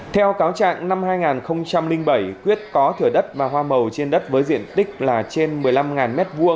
theo cáo trạng năm hai nghìn bảy quyết có thửa đất và hoa màu trên đất với diện tích là trên một mươi năm m hai